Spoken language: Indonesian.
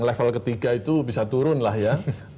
level ketiga itu bisa turun lah ya